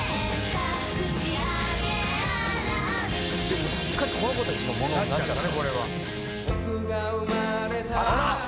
でもすっかりこの子たちのものになっちゃった。